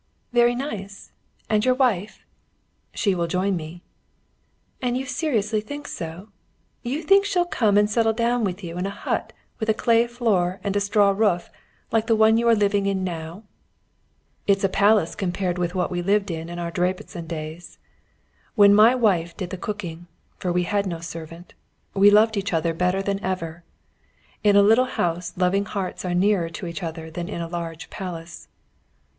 "Very nice! And your wife?" "She will join me." "And you seriously think so? You think she'll come and settle down with you in a hut with a clay floor and a straw roof, like the one you are living in now." "It's a palace compared with what we lived in in our Debreczin days. When my wife did the cooking for we had no servant we loved each other better than ever. In a little house loving hearts are nearer to each other than in a large palace."